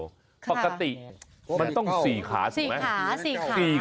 กลักษณ์ติมันต้อง๔ขาใช่ไหม